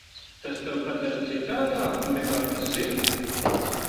Tas to padara citādāku, nekā tas ir?